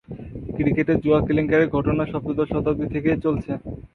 ক্রিকেটে জুয়া কেলেঙ্কারির ঘটনা সপ্তদশ শতাব্দী থেকেই চলছে।